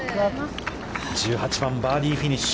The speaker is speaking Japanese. １８番、バーディーフィニッシュ。